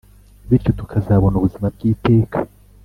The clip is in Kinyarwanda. Bityo tukazabona ubuzima bw’iteka